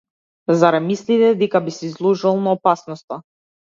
Зарем мислите дека би се изложувал на опасноста?